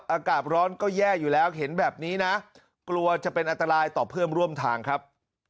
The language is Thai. อากาศร้อนก็แย่อยู่แล้วเห็นแบบนี้นะกลัวจะเป็นอันตรายต่อเพื่อนร่วมทางครับ